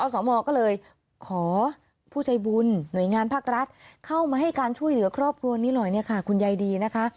สมก็เลยขอผู้ใจบุญหน่วยงานภาครัฐเข้ามาให้การช่วยเหลือครอบครัวนี้หน่อยเนี่ยค่ะคุณยายดีนะคะ